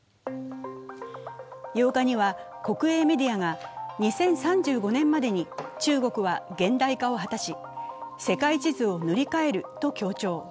８日には国営メディアが２０３５年までに中国は現代化を果たし、世界地図を塗り替えると強調。